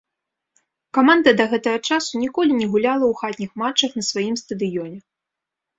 Каманда да гэтага часу ніколі не гуляла у хатніх матчах на сваім стадыёне.